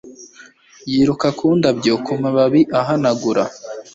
yiruka ku ndabyo, ku mababi ahanagura